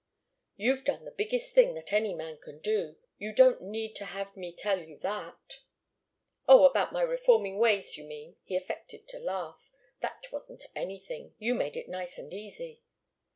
"You've done the biggest thing that any man can do. You don't need to have me tell you that." "Oh about reforming my ways, you mean?" He affected to laugh. "That wasn't anything. You made it nice and easy."